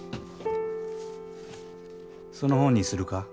その本にするか？